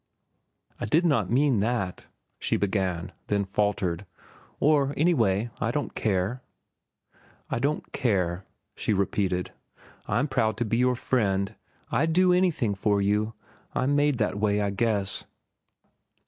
"I did not mean that—" she began, then faltered. "Or anyway I don't care." "I don't care," she repeated. "I'm proud to be your friend. I'd do anything for you. I'm made that way, I guess."